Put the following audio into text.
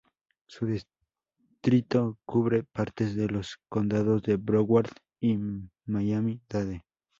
Su distrito cubre partes de los condados de Broward y Miami-Dade.